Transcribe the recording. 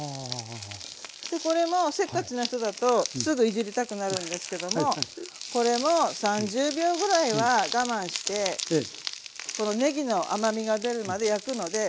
そしてこれもせっかちな人だとすぐいじりたくなるんですけどもこれも３０秒ぐらいは我慢してこのねぎの甘みが出るまで焼くのでちょっと我慢して下さい。